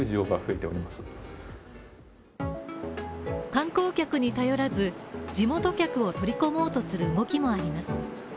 観光客に頼らず、地元客を取り込もうとする動きもあります。